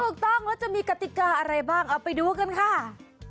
ถูกต้องแล้วจะมีกติกาอะไรบ้างเอาไปดูกันค่ะ